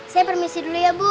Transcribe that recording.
saya permisi dulu ya bu